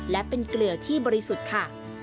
และเป็นเกลือที่บริสุทธิ์ค่ะ